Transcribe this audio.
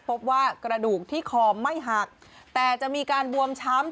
พบว่ากระดูกที่คอไม่หักแต่จะมีการบวมช้ำ